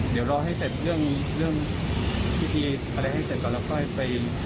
เดี๋ยวรอให้เสร็จเรื่องพิธีอะไรให้เสร็จก่อนแล้วค่อยไป